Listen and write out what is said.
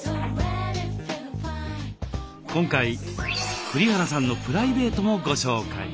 今回栗原さんのプライベートもご紹介。